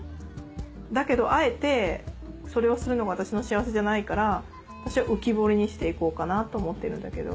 だけどあえてそれをするのが私の幸せじゃないから私は浮き彫りにしていこうかなと思ってるんだけど。